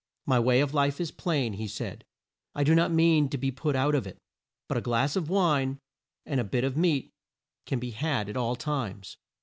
"My way of life is plain," he said; "I do not mean to be put out of it. But a glass of wine and a bit of meat can be had at all times."